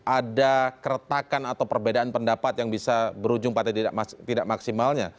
ada keretakan atau perbedaan pendapat yang bisa berujung pada tidak maksimalnya